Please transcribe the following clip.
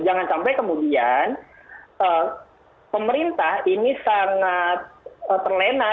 jangan sampai kemudian pemerintah ini sangat terlena